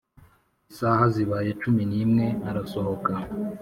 Isaha zibaye cumi n’imwe arasohoka,